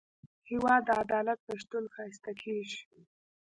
هېواد د عدالت په شتون ښایسته کېږي.